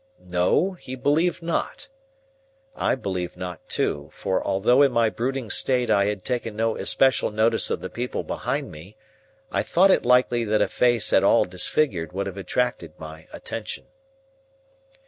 No, he believed not. I believed not too, for, although in my brooding state I had taken no especial notice of the people behind me, I thought it likely that a face at all disfigured would have attracted my attention.